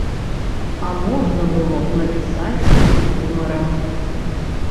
А можна было б напісаць і з гумарам.